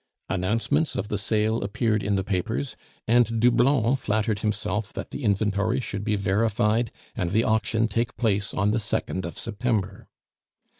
Announcements of the sale appeared in the papers, and Doublon flattered himself that the inventory should be verified and the auction take place on the 2nd of September.